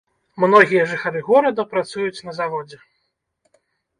Многія жыхары горада працуюць на заводзе.